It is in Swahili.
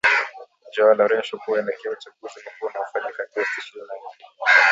Joao Lourenco kuelekea uchaguzi mkuu unaofanyika Agosti ishirini na nne